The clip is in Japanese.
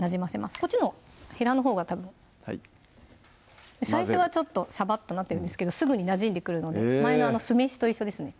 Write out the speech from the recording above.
こっちのへらのほうがたぶんはい最初はちょっとシャバッとなってるんですけどすぐになじんでくるので前の酢飯と一緒ですね